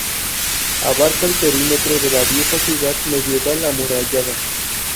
Abarca el perímetro de la vieja ciudad medieval amurallada.